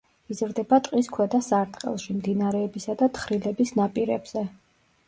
იზრდება ტყის ქვედა სარტყელში, მდინარეებისა და თხრილების ნაპირებზე.